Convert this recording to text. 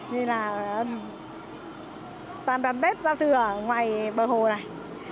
nên là toàn đoàn bếp giao thừa ở ngoài bờ hồ này